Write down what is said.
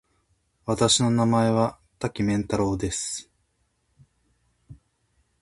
私の名前は多岐麺太郎です。